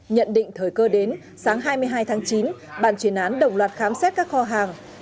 nhận định thời cơ đến sáng hai mươi hai tháng chín bàn chuyển án đồng loạt khám xét các kho hàng